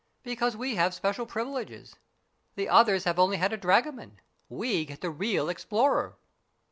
"Because we have special privileges. The others have only had a dragoman ; we get the real explorer."